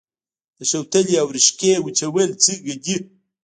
د شوتلې او رشقه وچول څنګه دي؟